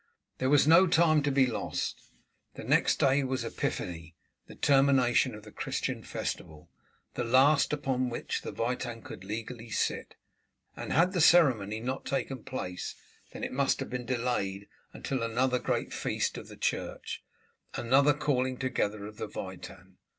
There was no time to be lost. The next day was Epiphany, the termination of the Christian festival, the last upon which the Witan could legally sit, and had the ceremony not taken place then it must have been delayed until another great feast of the church another calling together of the Witan.